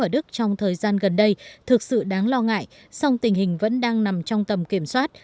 ở đức trong thời gian gần đây thực sự đáng lo ngại song tình hình vẫn đang nằm trong tầm kiểm soát